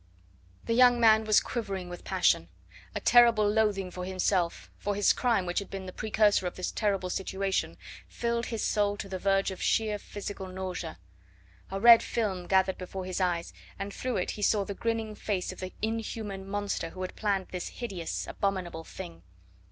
The young man was quivering with passion. A terrible loathing for himself, for his crime which had been the precursor of this terrible situation, filled his soul to the verge of sheer physical nausea. A red film gathered before his eyes, and through it he saw the grinning face of the inhuman monster who had planned this hideous, abominable thing.